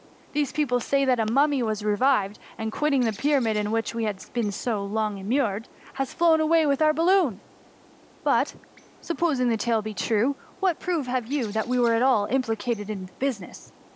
These people say that a mummy has revived, and, quitting the Pyramid in which he had been so long immured, has flown away with our bal loon : but, supposing the tale to be true, what proof have you that we were at all implicated in the business